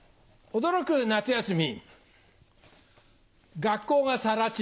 驚く夏休み。